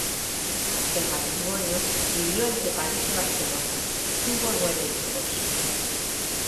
El matrimonio vivió entre París y Barcelona, tuvo nueve hijos.